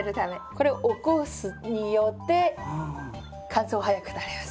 これ起こすことによって乾燥早くなります。